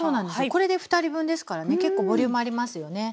これで２人分ですからね結構ボリュームありますよね。